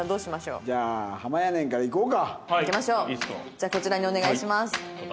じゃあこちらにお願いします。